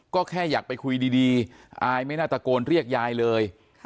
ก็แค่อยากไปคุยดีอายไม่น่าตะโกนเรียกยายเลย